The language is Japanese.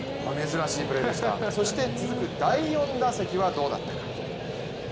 そして続く第４打席はどうだったか。